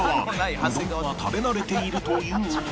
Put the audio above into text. うどんは食べ慣れているというが